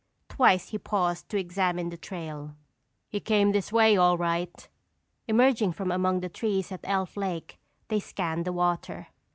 Twice he paused to examine the trail. "He came this way all right." Emerging from among the trees at Elf Lake, they scanned the water.